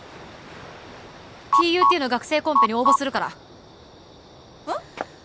Ｐ．Ｕ．Ｔの学生コンペに応募するからうん？